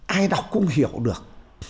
ai đó cũng hiểu được